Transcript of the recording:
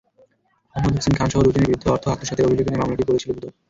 আহমদ হোসেন খানসহ দুজনের বিরুদ্ধে অর্থ আত্মসাতের অভিযোগ এনে মামলাটিও করেছিল দুদক।